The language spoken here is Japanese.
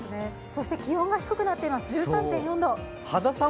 そして気温が低くなっています、１３．４度。